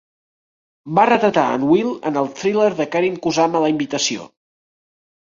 Va retratar en Will en el thriller de Karyn Kusama "La invitació".